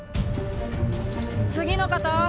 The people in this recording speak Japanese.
次の方。